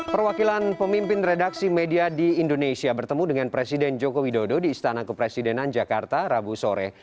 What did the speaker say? perwakilan pemimpin redaksi media di indonesia bertemu dengan presiden joko widodo di istana kepresidenan jakarta rabu sore